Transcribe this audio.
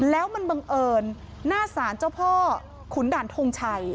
แล้วมันบังเอิญหน้าศาลเจ้าพ่อขุนด่านทงชัย